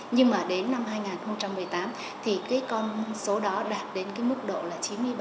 nhưng mà đến năm hai nghìn một mươi tám thì cái con số đó đạt đến cái mức độ là chín mươi ba